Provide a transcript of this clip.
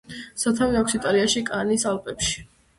სათავე აქვს იტალიაში, კარნის ალპებში.